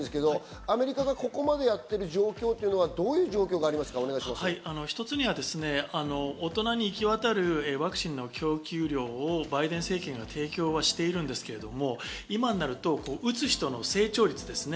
アメリカがここまでやってる状況というのはどういう状況がありま一つには大人に行き渡るワクチンの供給量をバイデン政権が提供はしているんですけど、今になると打つ人の成長率ですね。